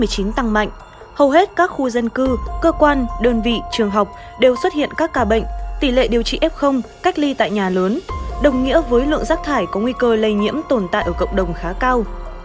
các covid một mươi chín tăng mạnh hầu hết các khu dân cư cơ quan đơn vị trường học đều xuất hiện các ca bệnh tỷ lệ điều trị f cách ly tại nhà lớn đồng nghĩa với lượng rác thải có nguy cơ lây nhiễm tồn tại ở cộng đồng khá cao